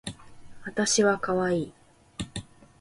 わたしはかわいい